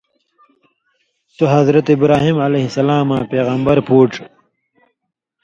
سو حضرت اِبراھیم علیہ السلاماں پېغمبر پُوچ،